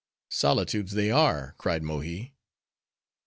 "Solitudes they are," cried Mohi.